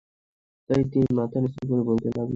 তাই তিনি মাথা নিচু করে বলতে লাগলেন—ক্ষমা চাই, ক্ষমা চাই।